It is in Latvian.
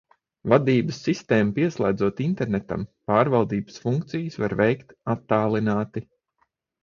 Vadības sistēmu pieslēdzot internetam, pārvaldības funkcijas var veikt attālināti.